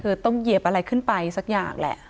คือต้องเหยียบอะไรขึ้นไปสักอย่างแหละ